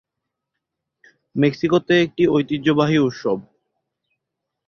মেক্সিকোতে একটি ঐতিহ্যবাহী উৎসব।